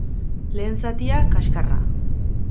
Lehen zatia, kaskarra.